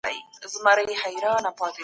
د اړيکو او مخابراتو سيسټم ډير پرمختګ کړی دی.